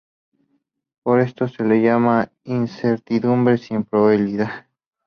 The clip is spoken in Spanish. Por esto, se le llama "incertidumbre sin probabilidad".